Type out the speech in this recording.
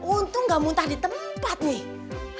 untung gak muntah di tempat nih